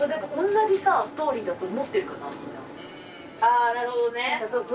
あなるほどね。